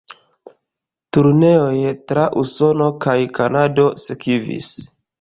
Turneoj tra Usono kaj Kanado sekvis.